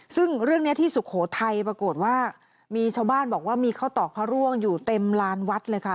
ซึ่งเรื่องนี้ที่สุโขทัยปรากฏว่ามีชาวบ้านบอกว่ามีข้าวตอกพระร่วงอยู่เต็มลานวัดเลยค่ะ